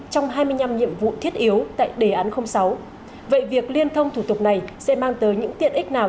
trong hai mươi năm nhiệm vụ thiết yếu tại đề án sáu vậy việc liên thông thủ tục này sẽ mang tới những tiện ích nào